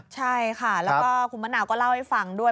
ใช่ค่ะแล้วก็คุณมะนาวก็เล่าให้ฟังด้วย